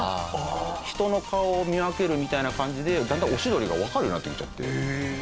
人の顔を見分けるみたいな感じでだんだんオシドリがわかるようになってきちゃって。